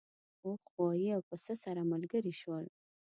اوښ غوایی او پسه سره ملګري شول.